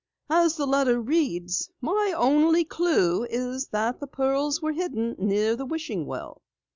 As the letter reads, my only clue is that the pearls were hidden near the wishing well."